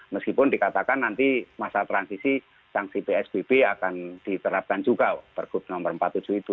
meskipun dikatakan nanti masa transisi sanksi psbb akan diterapkan juga pergub nomor empat puluh tujuh itu